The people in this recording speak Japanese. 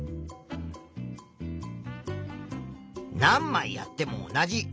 何まいやっても同じ。